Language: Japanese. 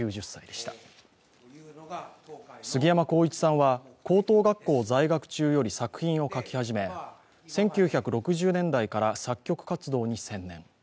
すぎやまこういちさんは、高等学校在学中より作品を書き始め１９６０年代から作曲活動に専念。